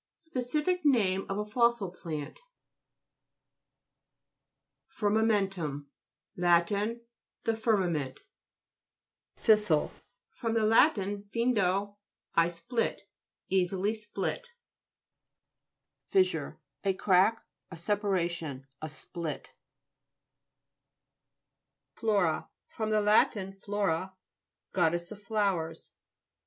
Speci fic name of a fossil plant FIRMAMK'XTUM Lat. The firma ment. FIS'SILE fr, lat flndo, I split. Easily split FIS'SURE A crack, a separation ; a split FLO'RA fr. lat flora, goddess of flowers.